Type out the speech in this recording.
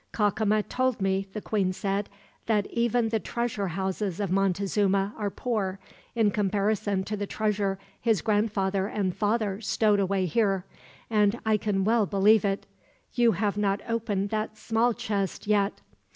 "Cacama told me," the queen said, "that even the treasure houses of Montezuma are poor, in comparison to the treasure his grandfather and father stowed away here; and I can well believe it. You have not opened that small chest, yet."